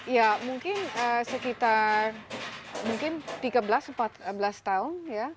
ya mungkin sekitar tiga belas empat belas tahun